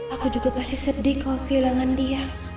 aku juga pasti sedih kalau kehilangan dia